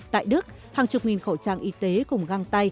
tại đức hàng chục nghìn khẩu trang y tế cùng găng tay